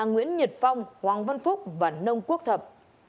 nguyễn nhật phong hoàng văn phúc và nông quốc thập